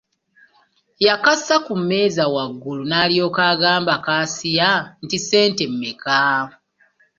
Yakassa ku mmeeza waggulu, n'alyoka agamba kasiya nti ssente mmeka?